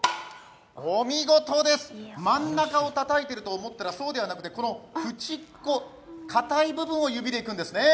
お見事です、真ん中をたたいてるかと思ったらそうではなくてこのふちっこ、かたい部分を指でいくんですね。